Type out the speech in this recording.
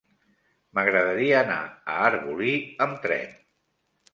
M'agradaria anar a Arbolí amb tren.